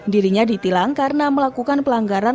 dirinya ditilang karena melakukan pelanggaran